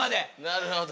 なるほど。